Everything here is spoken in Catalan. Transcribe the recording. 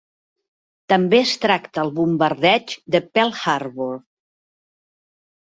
També es tracta el bombardeig de Pearl Harbor.